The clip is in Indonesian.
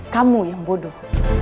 kamu yang bodoh